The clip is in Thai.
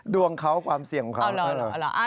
ดวงเขาความเสี่ยงของเขา